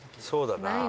そうだな。